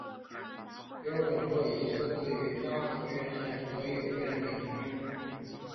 标准座椅设置于嘉禾院线所有影厅。